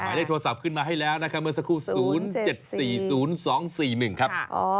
ได้โทรศัพท์ขึ้นมาให้แล้วนะครับเมื่อสักครู่๐๗๔๐๒๔๑ครับ